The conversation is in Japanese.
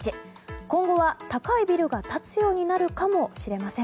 今後は高いビルが建つようになるかもしれません。